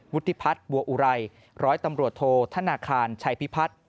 วุฒิพัฒน์บัวอุไรร้อยตำรวจโทธนาคารชัยพิพัฒน์